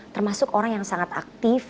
termasuk orang yang sangat aktif